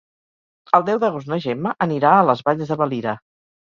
El deu d'agost na Gemma anirà a les Valls de Valira.